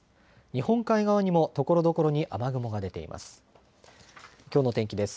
日本海側にもところどころに雨雲が出ています。